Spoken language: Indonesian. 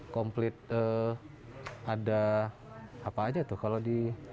komplit ada apa aja tuh kalau di